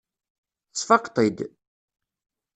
Tesfaqeḍ-t-id.